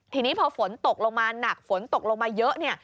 ทีนี้พอฝนตกลงมาหนักฝนตกลงมาเยอะเนี่ย